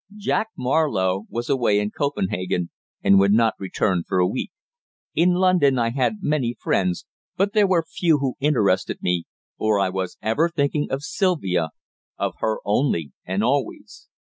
Jack Marlowe was away in Copenhagen, and would not return for a week. In London I had many friends, but there were few who interested me, for I was ever thinking of Sylvia of her only and always.